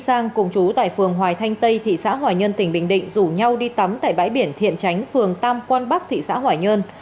hoàng sang cùng chú tại phường hoài thanh tây thị xã hoài nhơn tỉnh bình định rủ nhau đi tắm tại bãi biển thiện tránh phường tam quan bắc thị xã hoài nhơn